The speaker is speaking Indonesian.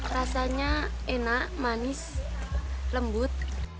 rasanya enak manis lembut